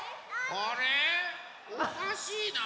あれおかしいな？